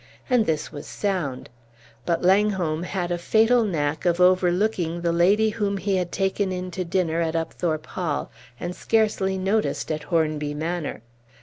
And this was sound; but Langholm had a fatal knack of overlooking the lady whom he had taken in to dinner at Upthorpe Hall, and scarcely noticed at Hornby Manor.